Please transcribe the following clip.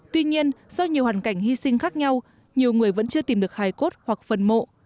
tuy nhiên do nhiều hoàn cảnh hy sinh khác nhau nhiều người vẫn chưa tìm được hài cốt hoặc phần mộ